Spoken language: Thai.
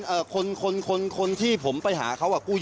เกี่ยวกับบังดีนมาสอบปากคำเนี่ย